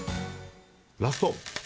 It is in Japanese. ラスト。